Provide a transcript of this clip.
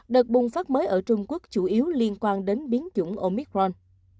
đợt bùng phát mới ở trung quốc chủ yếu liên quan đến biến chủng omicron